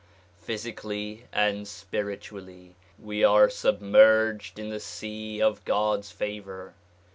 Physically and spiritually we are submerged in the sea of God's favor.